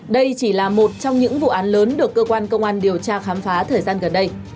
đây chỉ là một trong những vụ án lớn được cơ quan công an điều tra khám phá thời gian gần đây